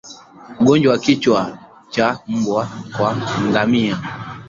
Ugonjwa wa kichaa cha mbwa kwa ngamia